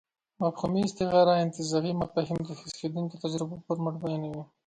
مفهومي استعاره انتزاعي مفاهيم د حس کېدونکو تجربو پر مټ بیانوي.